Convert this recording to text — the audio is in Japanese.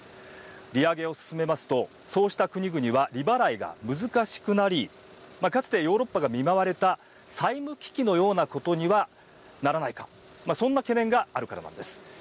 利上げを進めますとそうした国々は利払いが難しくなりかつて、ヨーロッパが見舞われた債務危機のようなことにはならないかそんな懸念があるからなんです。